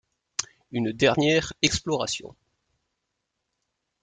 Une dernière exploration —